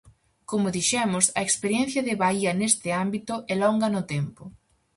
Como dixemos, a experiencia de Bahía neste ámbito é longa no tempo.